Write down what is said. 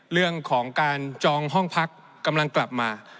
เรื่องของการจองห้องพักกำลังกลับมา